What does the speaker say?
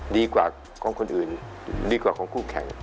ดีกว่าของคนอื่นดีกว่าของคู่แข่ง